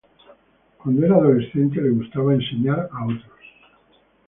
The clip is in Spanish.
Cuando era adolescente le gustaba enseñar a otros.